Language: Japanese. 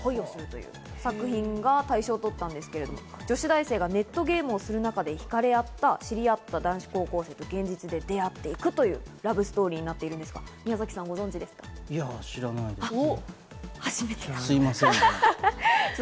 という作品が大賞をとったんですけど、女子大生が熱狂する中で惹かれ合った、知り合った男子高校生と現実で出会っていくというラブストーリーになってるんですが、いや、知らないです。